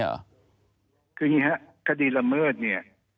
คืออย่างนี้ครับคดีละเมิดเนี่ย